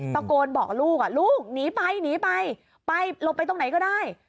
ตะโกนบอกลูกลูกหนีไปหนีไปไปหลบไปตรงไหนก็ได้